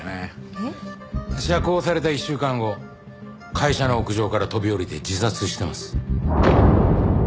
えっ？釈放された１週間後会社の屋上から飛び降りて自殺してます。